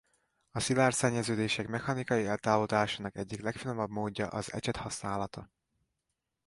A szilárd szennyeződések mechanikai eltávolításának egyik legfinomabb módja az ecset használata.